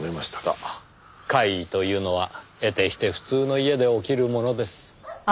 怪異というのは得てして普通の家で起きるものです。